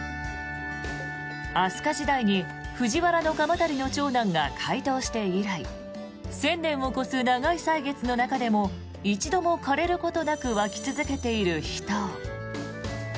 飛鳥時代に藤原鎌足の長男が開湯して以来１０００年を超す長い歳月の中でも一度も枯れることなく湧き続けている秘湯。